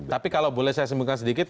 tapi kalau boleh saya simpulkan sedikit